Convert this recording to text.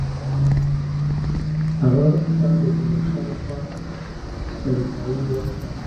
هغه ته د تیمورشاه له خوا سروپايي ورکړه.